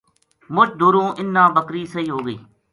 مُچ دُوروں اِنھ نا بکری سہی ہو گئی